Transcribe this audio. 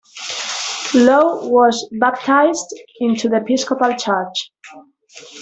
Lowe was baptized into the Episcopal church.